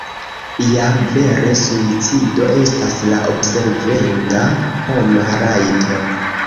Ja vere suicido estas la observenda homa rajto!